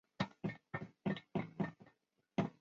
中华卫矛是卫矛科卫矛属的植物。